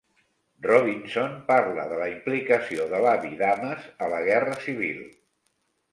Robinson parla de la implicació de l'avi d'Ames a la guerra civil.